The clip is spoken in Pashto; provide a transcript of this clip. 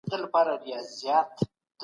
که نیت پاک وي نو عمل به هم سم وي.